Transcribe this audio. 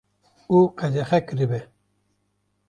û qedexe kiribe